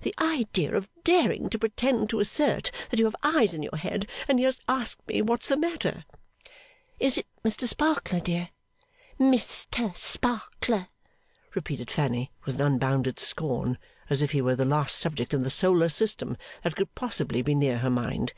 The idea of daring to pretend to assert that you have eyes in your head, and yet ask me what's the matter!' 'Is it Mr Sparkler, dear?' 'Mis ter Spark ler!' repeated Fanny, with unbounded scorn, as if he were the last subject in the Solar system that could possibly be near her mind.